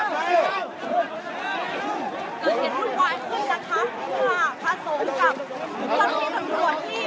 การเก็บหุ้นไวขึ้นการผสมกับคนที่กระทำการณ์อยู่ที่นี่